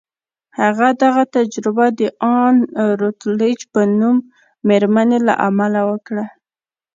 هغه دغه تجربه د ان روتلیج په نوم مېرمنې له امله وکړه